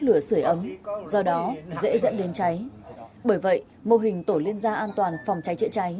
lửa sửa ấm do đó dễ dẫn đến cháy bởi vậy mô hình tổ liên gia an toàn phòng cháy chữa cháy